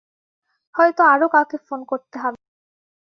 হয়ত আরও কাউকে ফোন করতে হবে।